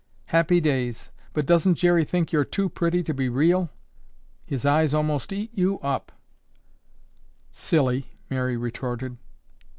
Happy Days, but doesn't Jerry think you're too pretty to be real? His eyes almost eat you up—" "Silly!" Mary retorted.